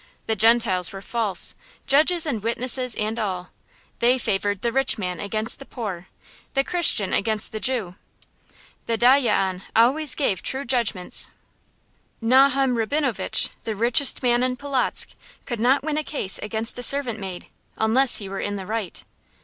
The Gentiles were false, judges and witnesses and all. They favored the rich man against the poor, the Christian against the Jew. The dayyan always gave true judgments. Nohem Rabinovitch, the richest man in Polotzk, could not win a case against a servant maid, unless he were in the right.